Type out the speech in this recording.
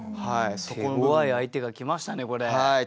手ごわい相手が来ましたねこれ。